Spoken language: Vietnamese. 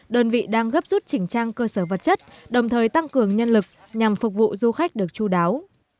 đơn vị đang gấp rút chỉnh trang cơ sở vật chất đồng thời tăng cường nhân lực nhằm phục vụ du khách được chú đáo